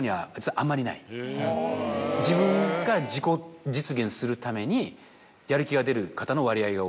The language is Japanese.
自分が自己実現するためにやる気が出る方の割合が多い。